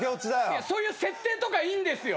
いやそういう設定とかいいんですよ。